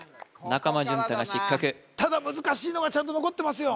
中間淳太が失格ただ難しいのがちゃんと残ってますよ